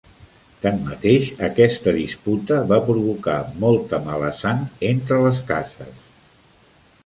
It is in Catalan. Tanmateix, aquesta disputa va provocar molta mala sang entre les cases.